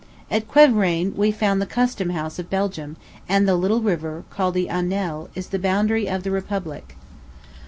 At Quievrain we found the custom house of Belgium, and the little river, called Aunelle, is the boundary of the republic.